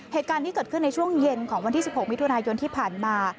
เหตุการณ์นี้เกิดขึ้นในช่วงเย็นของวันที่๑๖มิถุนายนที่ผ่านมา